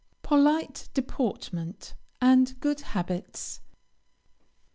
POLITE DEPORTMENT, AND GOOD HABITS.